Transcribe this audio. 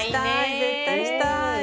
絶対したい。